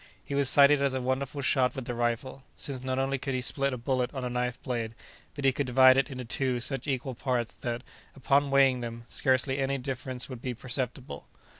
He was cited as a wonderful shot with the rifle, since not only could he split a bullet on a knife blade, but he could divide it into two such equal parts that, upon weighing them, scarcely any difference would be perceptible.